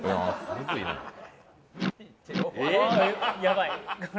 やばい。